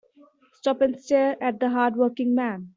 Stop and stare at the hard working man.